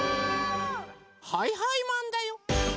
はいはいマンだよ！